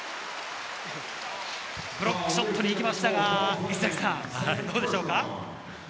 ブロックショットに行きましたが、どうでしょうか？